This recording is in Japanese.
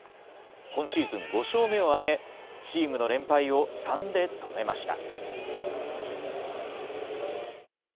今シーズン５勝目を挙げ、チームの連敗を３で止めました。